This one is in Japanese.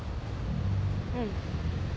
うん。